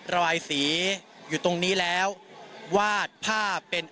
ละวายสีอยู่ตรงนี้แล้ววาดภาพ